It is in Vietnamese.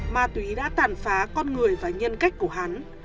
ma túy đã tàn phá con người và nhân cách của hắn